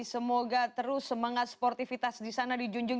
semoga terus semangat sportivitas di sana dijunjung